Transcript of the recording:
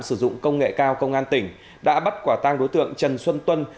sử dụng công nghệ cao công an tỉnh đã bắt quả tang đối tượng trần xuân tuân